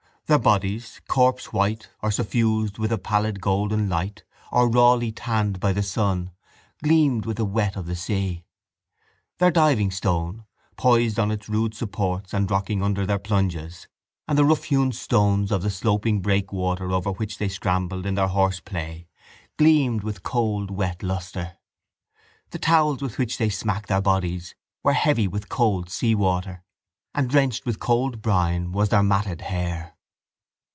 Their bodies, corpsewhite or suffused with a pallid golden light or rawly tanned by the sun, gleamed with the wet of the sea. Their divingstone, poised on its rude supports and rocking under their plunges, and the rough hewn stones of the sloping breakwater over which they scrambled in their horseplay gleamed with cold wet lustre. The towels with which they smacked their bodies were heavy with cold seawater; and drenched with cold brine was their matted hair.